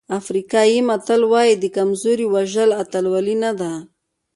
افریقایي متل وایي د کمزوري وژل اتلولي نه ده.